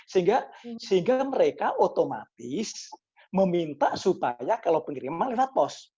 sehingga mereka otomatis meminta supaya kalau pengiriman lewat pos